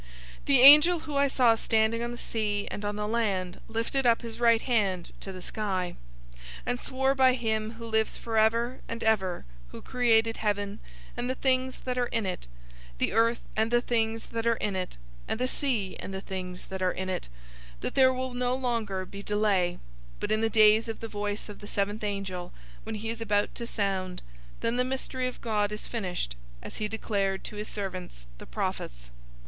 010:005 The angel who I saw standing on the sea and on the land lifted up his right hand to the sky, 010:006 and swore by him who lives forever and ever, who created heaven and the things that are in it, the earth and the things that are in it, and the sea and the things that are in it, that there will no longer be delay, 010:007 but in the days of the voice of the seventh angel, when he is about to sound, then the mystery of God is finished, as he declared to his servants, the prophets.